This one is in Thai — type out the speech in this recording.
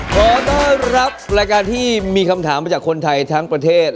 ขอต้อนรับรายการที่มีคำถามมาจากคนไทยทั้งประเทศ